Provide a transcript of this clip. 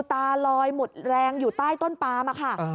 ตาลอยหมดแรงอยู่ใต้ต้นปามค่ะ